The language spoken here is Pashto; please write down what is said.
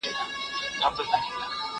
کېدای سي انځورونه خراب وي!